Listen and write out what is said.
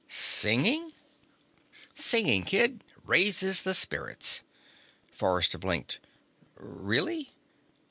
"Singing?" "Singing, kid. Raises the spirits." Forrester blinked. "Really?"